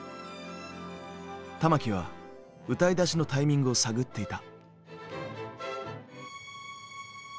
玉置は歌いだしのタイミングを探っていた。